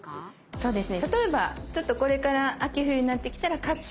そうですね。